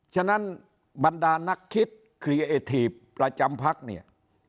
ฉะนั้นบรรดานักคิดครีเอทีฟประจำพักเนี่ย